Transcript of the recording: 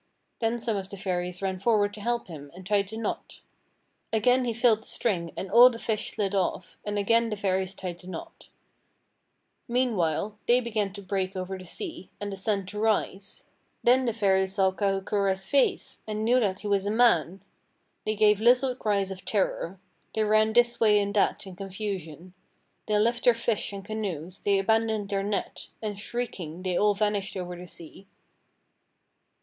Then some of the Fairies ran forward to help him, and tied the knot. Again he filled the string and all the fish slid off, and again the Fairies tied the knot. Meanwhile day began to break over the sea, and the sun to rise. Then the Fairies saw Kahukura's face, and knew that he was a man. They gave little cries of terror. They ran this way and that in confusion. They left their fish and canoes, they abandoned their net. And shrieking they all vanished over the sea.